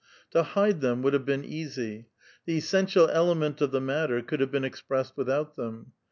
To hide them would have been easy. The essential element of the matter could have been expressed without them.